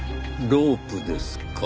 ロープですか。